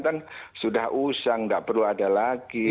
kan sudah usang nggak perlu ada lagi